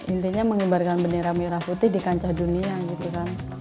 intinya mengibarkan bendera merah putih di kancah dunia gitu kan